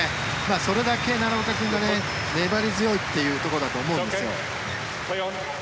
それだけ奈良岡君が粘り強いというところだと思うんですよ。